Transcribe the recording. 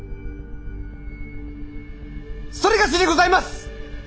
それがしにございます！